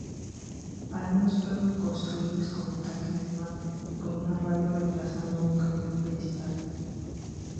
Algunos fueron construidos como tanques de mando, con una radio reemplazando al cañón principal.